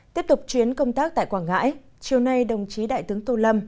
tiếp tục chuyến công tác tại quảng ngãi chiều nay đồng chí đại tướng tô lâm